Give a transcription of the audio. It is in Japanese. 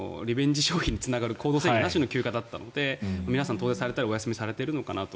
消費につながる行動制限なしの休暇だったので皆さん、遠出されたあとにお休みされているのかなと。